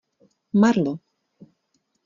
Marlo!